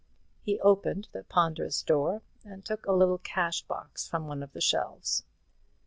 He opened the ponderous door, and took a little cash box from one of the shelves.